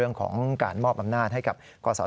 ท่านก็ให้เกียรติผมท่านก็ให้เกียรติผม